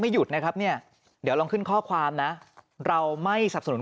หยุดนะครับเนี่ยเดี๋ยวลองขึ้นข้อความนะเราไม่สับสนุน